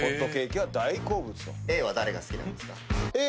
Ａは誰が好きなんですか？